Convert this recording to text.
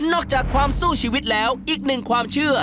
อกจากความสู้ชีวิตแล้วอีกหนึ่งความเชื่อ